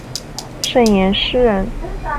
盛彦师人。